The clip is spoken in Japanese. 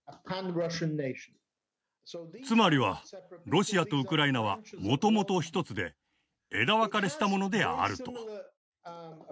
つまりはロシアとウクライナはもともと一つで枝分かれしたものであると。